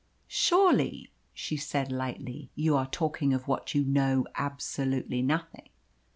"Surely," she said lightly, "you are talking of what you know absolutely nothing."